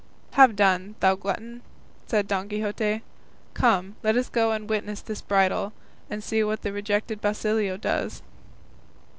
"Have done, thou glutton," said Don Quixote; "come, let us go and witness this bridal, and see what the rejected Basilio does."